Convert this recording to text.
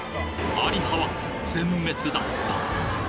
アリ派は全滅だった